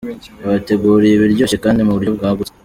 Yabateguriye ibiryoshye kandi mu buryo bwagutse.